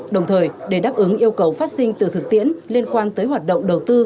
đồng thời để đáp ứng yêu cầu phát sinh từ thực tiễn liên quan tới hoạt động đầu tư